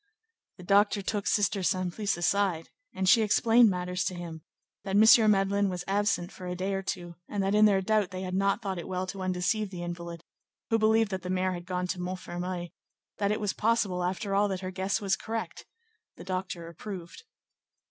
The doctor took Sister Simplice aside, and she explained matters to him; that M. Madeleine was absent for a day or two, and that in their doubt they had not thought it well to undeceive the invalid, who believed that the mayor had gone to Montfermeil; that it was possible, after all, that her guess was correct: the doctor approved.